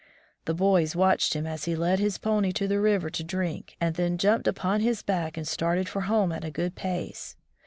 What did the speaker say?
The boys watched him as he led his pony to the river to drink and then jmnped upon his back and started for home at a good pace.